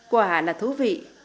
quả là thú vị